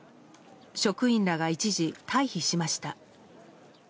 職員らが一時、退避しました。